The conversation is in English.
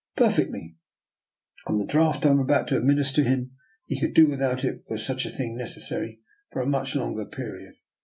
"" Perfectly! On the draught I am about to administer to him, he could do without it, were such a thing necessary, for a much Ion ger period.